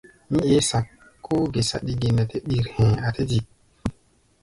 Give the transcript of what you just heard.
Mí eé sak, kóó gé saɗi ge nɛ ɓír hɛ̧ɛ̧, a̧ tɛ́ tik.